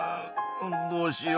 どうしよう。